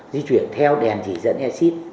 di chuyển theo đèn chỉ dẫn exit